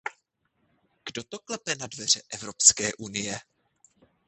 Kdo to klepe na dveře Evropské unie?